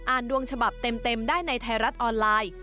ดวงฉบับเต็มได้ในไทยรัฐออนไลน์